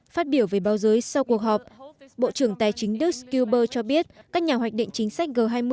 phát biểu về bao giới sau cuộc họp bộ trưởng tài chính dux gilbert cho biết các nhà hoạch định chính sách g hai mươi